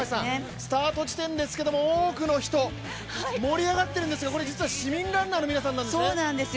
スタート地点ですけど、多くの人盛り上がってるんですけどこれ実は市民ランナーの皆さんです。